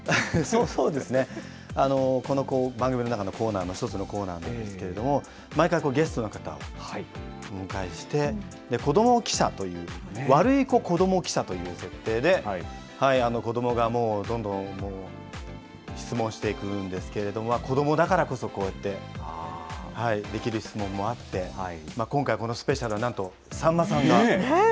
この番組の中の１つのコーナーなんですけれども、毎回ゲストの方、お迎えして、子ども記者という、ワルイコ子ども記者という設定で、子どもが、もうどんどん質問していくんですけど、子どもだからこそ、こうやってできる質問もあって、今回、このスペシャル、なん豪華。